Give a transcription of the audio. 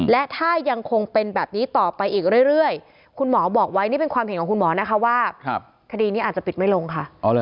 และถ้ายังคงเป็นแบบนี้ต่อไปอีกเรื่อยคุณหมอบอกไว้นี่เป็นความเห็นของคุณหมอนะคะว่าคดีนี้อาจจะปิดไม่ลงค่ะ